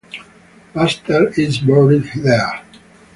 Baxter is buried there.